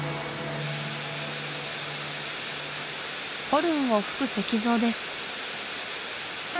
ホルンを吹く石像です